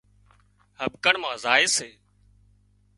هٻڪڻ مان زائي سي